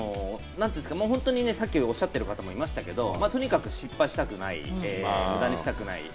さっきおっしゃってる方もいましたけれども、とにかく失敗したくない、無駄にしたくない。